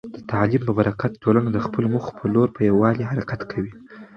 د تعلیم په برکت، ټولنه د خپلو موخو په لور په یووالي حرکت کوي.